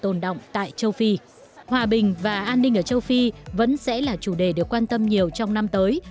tồn động tại châu phi hòa bình và an ninh ở châu phi vẫn sẽ là chủ đề được quan tâm nhiều trong năm tới